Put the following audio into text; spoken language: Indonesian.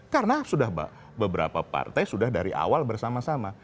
karena sudah beberapa partai sudah dari awal bersama sama